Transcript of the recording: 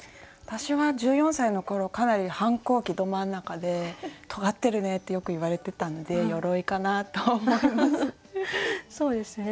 私は１４歳の頃かなり反抗期ど真ん中でとがってるねってよく言われてたので「鎧」かなと思います。